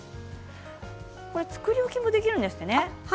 作り置きもできるんですってね。